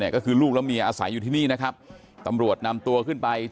ก็คือลูกและเมียอาศัยอยู่ที่นี่นะครับตำรวจนำตัวขึ้นไป